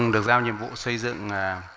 được giao nhiệm vụ xây dựng